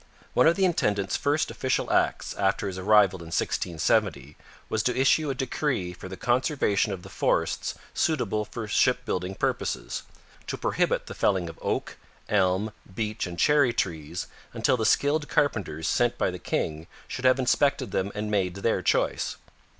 One of the intendant's first official acts after his arrival in 1670 was to issue a decree for the conservation of the forests suitable for shipbuilding purposes to prohibit the felling of oak, elm, beech, and cherry trees until the skilled carpenters sent by the king should have inspected them and made their choice.